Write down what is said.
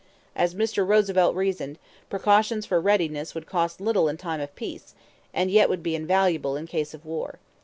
As Mr. Roosevelt reasoned, precautions for readiness would cost little in time of peace, and yet would be invaluable in case of war.